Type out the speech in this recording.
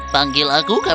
panggil aku kapan berhasil